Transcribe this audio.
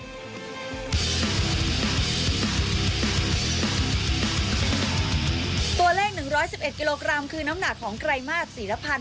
ตัวเลข๑๑๑กิโลกรัมคือน้ำหนักของไกรมาสศรีละพันธ